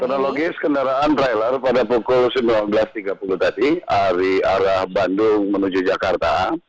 kronologis kendaraan trailer pada pukul sembilan belas tiga puluh tadi dari arah bandung menuju jakarta